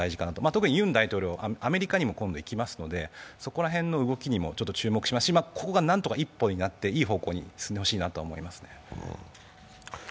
特にユン大統領は今度アメリカにも行きますので、そこら辺の動きにもちょっと注目しますし、ここが何とか一歩になって、いい方向に進んでほしいなと思いますね。